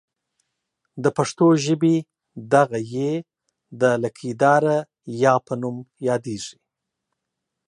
د پښتو ژبې دغه ۍ د لکۍ داره یا په نوم یادیږي.